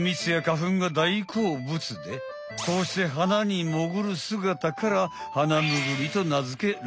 でこうして花にもぐるすがたからハナムグリとなづけられたのさ。